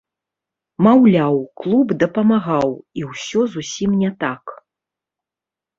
Маўляў, клуб дапамагаў, і ўсё зусім не так.